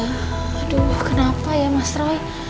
waduh kenapa ya mas roy